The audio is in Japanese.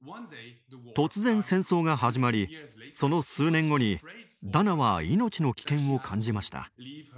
突然戦争が始まりその数年後にダナは命の危険を感じました。